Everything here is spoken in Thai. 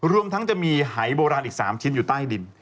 รวมทั้งจะมีหายโบราณอีก๓ชิ้นอยู่ใต้ดิน